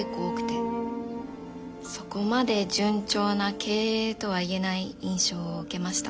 そこまで順調な経営とは言えない印象を受けました。